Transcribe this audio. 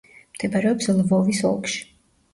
მდებარეობს ლვოვის ოლქში.